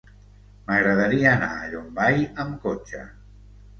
M'agradaria anar a Llombai amb cotxe.